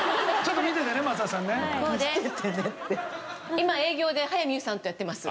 今営業で早見優さんとやってます。